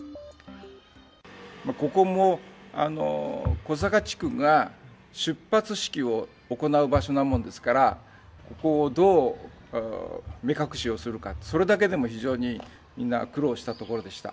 ここも小坂地区が出発式を行う場所なもんですから、ここをどう目隠しをするか、それだけでも非常にみんな苦労したところでした。